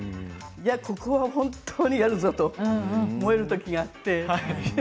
ここは本当にやるぞと思える時燃える時があって。